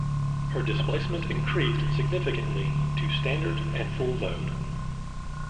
Her displacement increased significantly, to standard and full load.